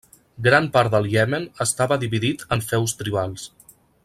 Gran part del Iemen estava dividit en feus tribals.